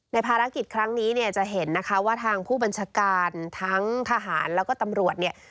ภารกิจครั้งนี้เนี่ยจะเห็นนะคะว่าทางผู้บัญชาการทั้งทหารแล้วก็ตำรวจเนี่ย